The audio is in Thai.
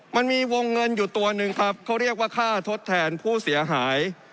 มันมีวงเงินอยู่ตัวหนึ่งครับเขาเรียกว่าค่าทดแทนผู้เสียหาย